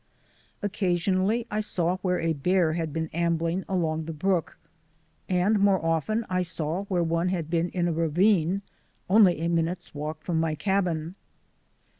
Occasionally I saw where a bear had been am bling along the brook, and more often I saw where one had been in a ravine only a minute's walk from my cabin.